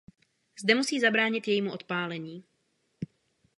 Zde musí zabránit jejímu odpálení.